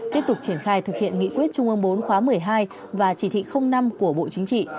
tiếp tục triển khai thực hiện nghị quyết trung ương bốn khóa một mươi hai và chỉ thị năm của bộ chính trị